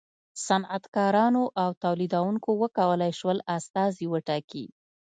صنعتکارانو او تولیدوونکو و کولای شول استازي وټاکي.